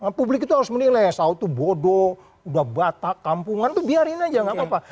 kan publik itu harus menilai saud itu bodoh udah batak kampungan itu biarin aja gak apa apa